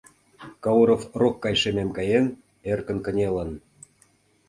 Кауров рок гай шемем каен, эркын кынелын.